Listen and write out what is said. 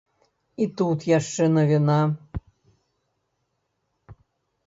І тут яшчэ навіна.